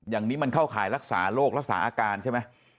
อย่างนี้มันเข้าข่ายรักษาโรครักษาอาการใช่ไหม